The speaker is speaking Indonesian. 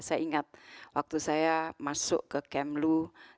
saya ingat waktu saya masuk ke kemlu delapan puluh lima delapan puluh enam